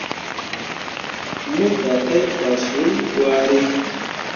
Mo gah ɗai faswulli gwari.